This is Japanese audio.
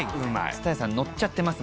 津多屋さんのっちゃってます